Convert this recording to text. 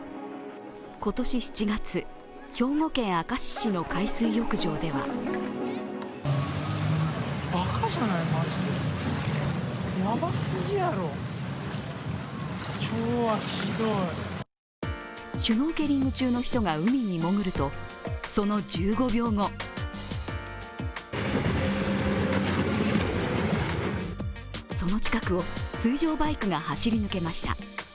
今年７月、兵庫県明石市の海水浴場ではシュノーケリング中の人が海に潜ると、その１５秒後その近くを水上バイクが走り抜けました。